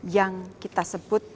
yang kita sebut